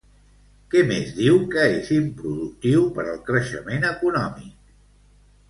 Què més diu que és improductiu per al creixement econòmic?